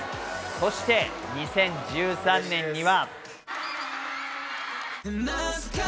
そして２０１３年には。